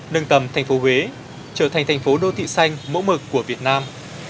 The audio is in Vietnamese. nâng tầm thành phố huế trở thành thành phố đô thị xanh mẫu mực của việt nam